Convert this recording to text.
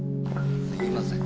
すいません